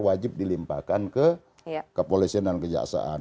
wajib dilimpahkan ke kepolisian dan kejaksaan